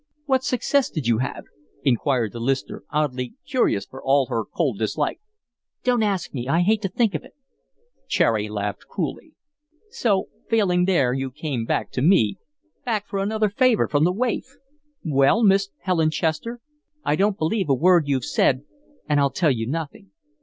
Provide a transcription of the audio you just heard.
"What success did you have?" inquired the listener, oddly curious for all her cold dislike. "Don't ask me. I hate to think of it." Cherry laughed cruelly. "So, failing there, you came back to me, back for another favor from the waif. Well, Miss Helen Chester, I don't believe a word you've said and I'll tell you nothing.